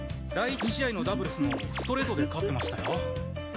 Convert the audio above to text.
第１試合のダブルスもストレートで勝ってましたよ。